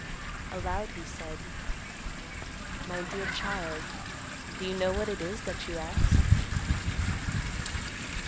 Aloud he said, "My dear child, do you know what it is that you ask?"